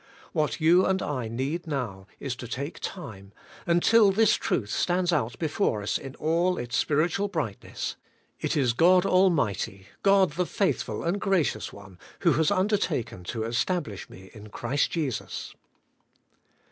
What you and I need now is to take time, until this truth stands out before us in all its spiritual brightness: It is God Almighty, God the Faithful and Gracious One, who has undertaken to stablish me in Christ Jesus.